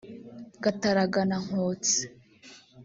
Gataraga na Nkotsi